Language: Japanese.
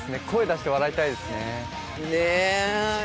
声出して笑いたいですね。